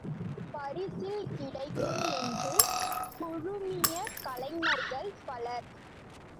பரிசில் கிடைக்கும் என்று குழுமிய கலைஞர்கள் பலர்.